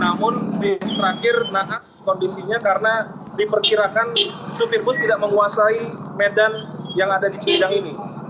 namun bis terakhir nahas kondisinya karena diperkirakan supir bus tidak menguasai medan yang ada di cilidang ini